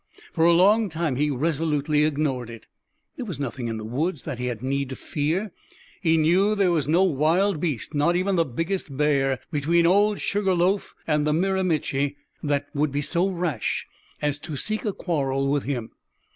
For a long time he resolutely ignored it. There was nothing in the woods that he had need to fear. He knew there was no wild beast, not even the biggest bear between Old Sugar Loaf and the Miramichi, that would be so rash as to seek a quarrel with him.